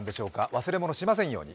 忘れ物しませんように。